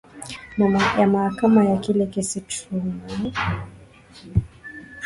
ya mahakama ya kila kesi Truman hawakufuata mpango uliopendekezwaDzhon Guver pia anajulikana kama